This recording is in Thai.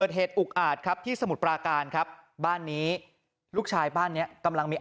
เหตุอุกอาจครับที่สมุทรปราการครับบ้านนี้ลูกชายบ้านเนี้ยกำลังมี